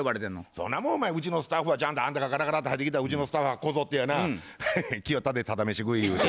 そんなもんお前うちのスタッフはちゃんとあんたがガラガラって入ってきたらうちのスタッフはこぞってやな「来よったでタダ飯食い」言うて。